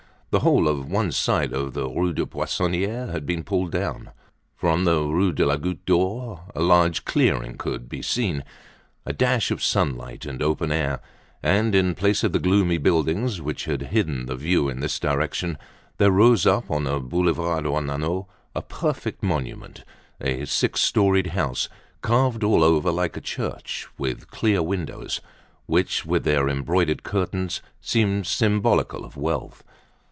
The whole of one side of the Rue des Poissonniers had been pulled down. From the Rue de la Goutte d'Or a large clearing could now be seen, a dash of sunlight and open air; and in place of the gloomy buildings which had hidden the view in this direction there rose up on the Boulevard Ornano a perfect monument, a six storied house, carved all over like a church, with clear windows, which, with their embroidered curtains, seemed symbolical of wealth.